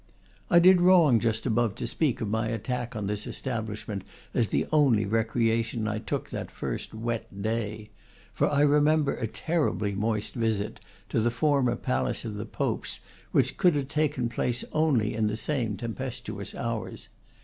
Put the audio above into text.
I did wrong just above, to speak of my attack on this establishment as the only recreation I took that first wet day; for I remember a terribly moist visit to the former palace of the Popes, which could have taken place only in the same tempestuous hours.